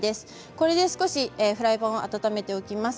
これで少しずつフライパンを温めておきます。